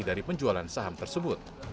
dari penjualan saham tersebut